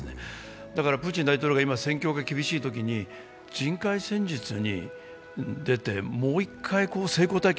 今、プーチン大統領が今戦況が厳しいときに人海戦術に出てもう一回成功体験